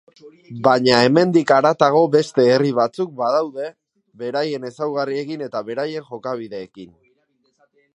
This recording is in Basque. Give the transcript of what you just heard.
Baina hemendik haratago beste herri batzuk badaude, beraien ezaugarriekin eta beraien jokabideekin.